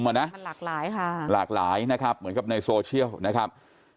มันนะมันหลากหลายค่ะหลากหลายนะครับเหมือนกับในโซเชียลนะครับ